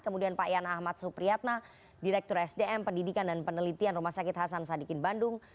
kemudian pak yana ahmad supriyatna direktur sdm pendidikan dan penelitian rumah sakit hasan sadikin bandung